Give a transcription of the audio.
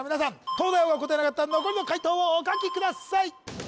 東大王が答えなかった残りの解答をお書きください